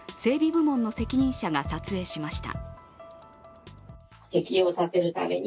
部門の責任者が撮影しました。